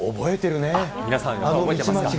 皆さん、覚えてますか。